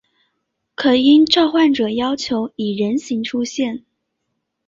可应召唤者要求以人形出现。